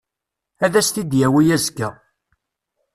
Ad as-t-id-yawi azekka.